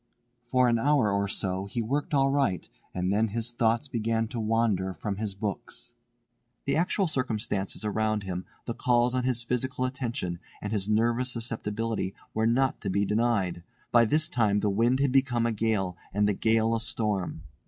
For an hour or so he worked all right, and then his thoughts began to wander from his books. The actual circumstances around him, the calls on his physical attention, and his nervous susceptibility were not to be denied. By this time the wind had become a gale, and the gale a storm.